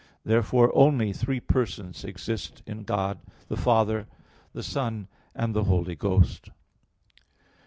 Therefore only three persons exist in God, the Father, the Son, and the Holy Ghost.